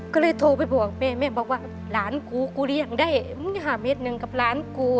ก็เลยโทรไปบอกแม่แม่บอกว่าหลานกูกูเลี้ยงได้มึง๕เมตรหนึ่งกับหลานกู